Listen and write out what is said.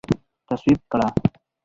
تصویب کړه